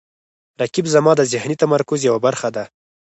رقیب زما د ذهني تمرکز یوه برخه ده